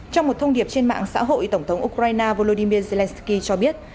trong một thông điệp trên mạng xã hội tổng thống ukraine volodymyr zelenskyy cho biết